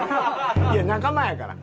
いや仲間やから。